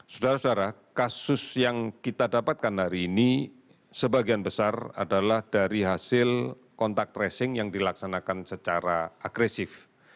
saudara saudara kasus yang kita dapatkan hari ini sebagian besar adalah dari hasil kontak tracing yang dilaksanakan secara agresif